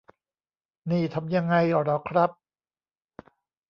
นี่ทำยังไงหรอครับ : ?